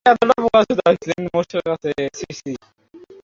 বিচার বিভাগ নির্বাহী বিভাগ ও আইনসভা হতে স্বাধীন।